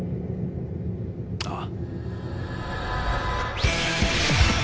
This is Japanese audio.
ああ。